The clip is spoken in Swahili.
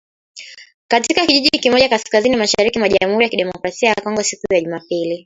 katika kijiji kimoja kaskazini-mashariki mwa Jamhuri ya Kidemokrasi ya Kongo siku ya Jumapili